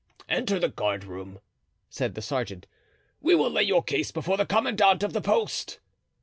"Enter the guardroom," said the sergeant; "we will lay your case before the commandant of the post."